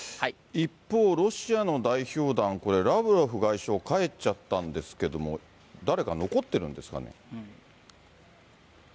一方、ロシアの代表団、これ、ラブロフ外相、帰っちゃったんですけども、誰か残ってるんですかね。